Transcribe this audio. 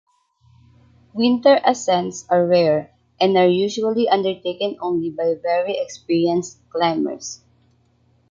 Winter ascents are rare, and are usually undertaken only by very experienced climbers.